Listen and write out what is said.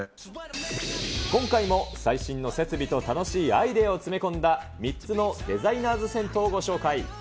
今回も最新の設備と楽しいアイデアを詰め込んだ、３つのデザイナーズ銭湯をご紹介。